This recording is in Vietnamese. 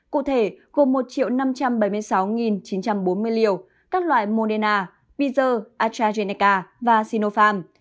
cụ thể gồm một năm trăm bảy mươi sáu chín trăm bốn mươi liều các loại mona pizer astrazeneca và sinopharm